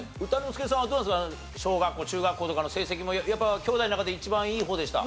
小学校中学校とかの成績もやっぱ兄弟の中で一番いい方でした？